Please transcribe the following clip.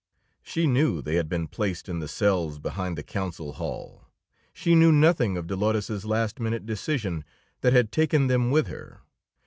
She knew they had been placed in the cells behind the council hall; she knew nothing of Dolores's last minute decision that had taken them with her.